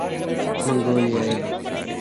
منگولیائی